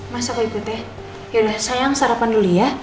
mas aku ikut ya yaudah sayang sarapan dulu ya